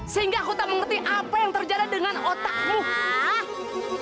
sehingga aku tak mengerti apa yang terjadi dengan otaknya